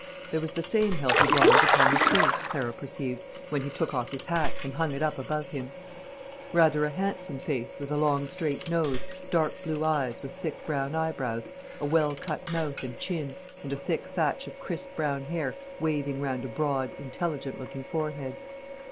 There was the same healthy bronze upon his face, Clarissa perceived, when he took off his hat, and hung it up above him; rather a handsome face, with a long straight nose, dark blue eyes with thick brown eyebrows, a well cut mouth and chin, and a thick thatch of crisp dark brown hair waving round a broad, intelligent looking forehead.